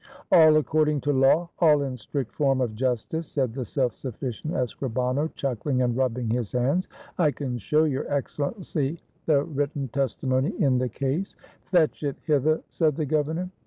"All according to law — all in strict form of justice," said the self sufl&cient escrihano, chuckling and rubbing his hands; "I can show Your Excellency the written testimony in the case." 471 SPAIN "Fetch it hither," said the governor.